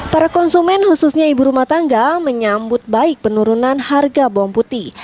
para konsumen khususnya ibu rumah tangga menyambut baik penurunan harga bawang putih